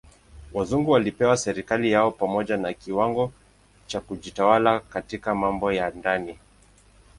Wazungu walipewa serikali yao pamoja na kiwango cha kujitawala katika mambo ya ndani.